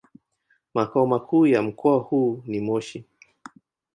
Makao makuu ya mkoa huu ni Moshi.